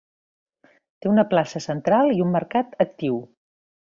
Té una plaça central i un mercat actiu.